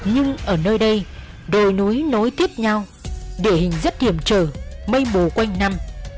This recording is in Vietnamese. nhưng ở nơi đây đồi núi nối tiếp nhau địa hình rất hiểm trở mây mù quanh năm